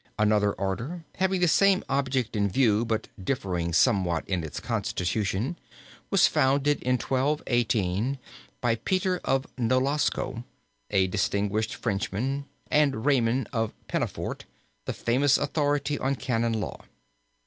Another order, having the same object in view but differing somewhat in its constitution, was founded in 1218, by Peter of Nolasco, a distinguished Frenchman, and Raymond of Pennafort the famous authority on canon law.